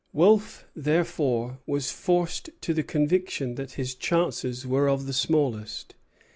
Wolfe, therefore, was forced to the conviction that his chances were of the smallest.